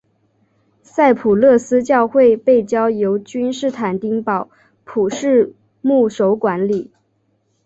赛普勒斯教会被交由君士坦丁堡普世牧首管理。